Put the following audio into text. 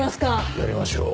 やりましょう。